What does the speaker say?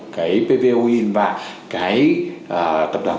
cái pvoin và cái tập đoàn phòng